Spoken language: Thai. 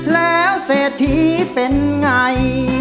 แล้วเศรษฐีเป็นไง